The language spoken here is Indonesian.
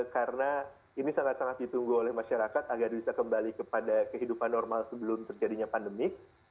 karena ini sangat sangat ditunggu oleh masyarakat agar bisa kembali kepada kehidupan normal sebelum terjadinya pandemi